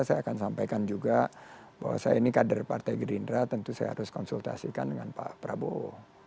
saya akan sampaikan juga bahwa saya ini kader partai gerindra tentu saya harus konsultasikan dengan pak prabowo